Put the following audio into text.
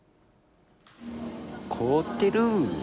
凍ってる。